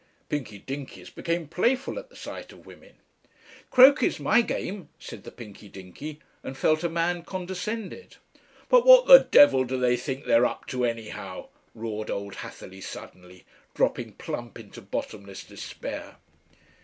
"Pinky Dinkys become playful at the sight of women." "'Croquet's my game,' said the Pinky Dinky, and felt a man condescended." "But what the devil do they think they're up to, anyhow?" roared old Hatherleigh suddenly, dropping plump into bottomless despair.